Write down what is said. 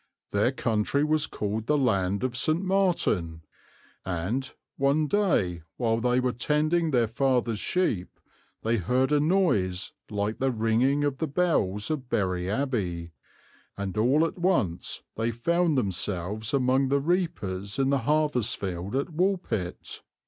Their country was called the land of St. Martin; and, one day, while they were tending their father's sheep, they heard a noise like the ringing of the bells of Bury Abbey, 'and all at once they found themselves among the reapers in the harvest field at Woolpit.'